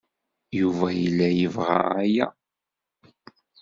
Yuba yella yebɣa aya.